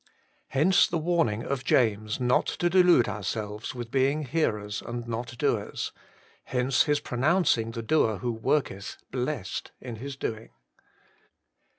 Hence the warning of James, not to delude ourselves with being hearers and not doers. Hence his pronouncing the doer who worketh blessed in his doing.